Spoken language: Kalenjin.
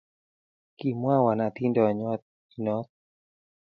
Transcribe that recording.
Kimwawan atindonyot inot